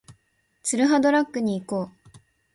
ツルハドラッグに行こう